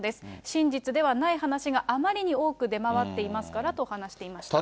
真実ではない話があまりに多く出回っていますからと話していました。